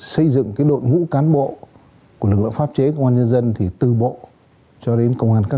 xây dựng cái đội ngũ cán bộ của lực lượng pháp chế công an nhân dân thì từ bộ cho đến công an các